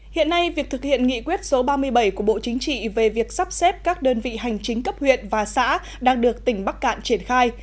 hiện nay việc thực hiện nghị quyết số ba mươi bảy của bộ chính trị về việc sắp xếp các đơn vị hành chính cấp huyện và xã đang được tỉnh bắc cạn triển khai